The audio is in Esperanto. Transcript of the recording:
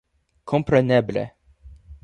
Kompreneble